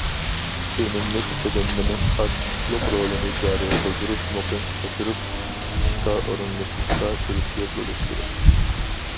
ئۈنۈملۈك سېلىنمىنىڭ ئاچقۇچلۇق رولىنى جارى قىلدۇرۇپ، مۇقىم ئاشۇرۇپ، ئىشقا ئورۇنلىشىشقا تۈرتكە بولۇش كېرەك.